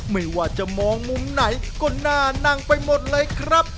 ไม่ว่าจะมองมุมไหนก็น่านั่งไปหมดเลยครับ